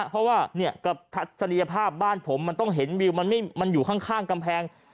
เพราะว่าทัศนียภาพบ้านผมมันต้องเห็นวิวมันอยู่ข้างกำแพง